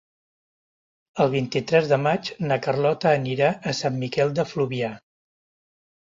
El vint-i-tres de maig na Carlota anirà a Sant Miquel de Fluvià.